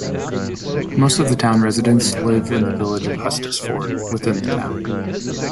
Most of the town residents live in the village of Hustisford, within the town.